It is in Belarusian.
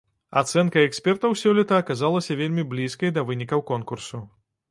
Ацэнка экспертаў сёлета аказалася вельмі блізкай да вынікаў конкурсу.